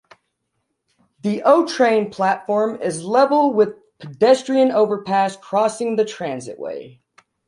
The O-Train platform is level with the pedestrian overpass crossing the transitway.